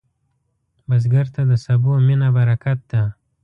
بزګر ته د سبو مینه برکت ده